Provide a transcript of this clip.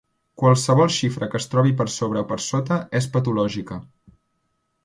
Qualssevol xifra que es trobi per sobre o per sota és patològica.